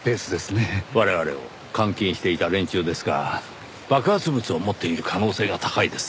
我々を監禁していた連中ですが爆発物を持っている可能性が高いです。